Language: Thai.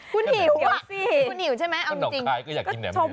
คุณหิวอ่ะคุณหิวใช่ไหมเอาจริงคุณน้องคายก็อยากกินแหน่มเนือง